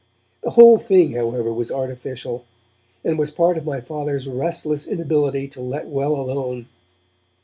The whole thing, however, was artificial, and was part of my Father's restless inability to let well alone.